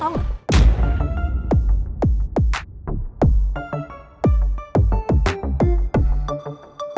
pangeran sama naomi